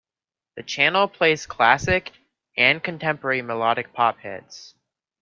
The channel plays classic and contemporary melodic pop hits.